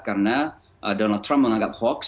karena donald trump menganggap hoax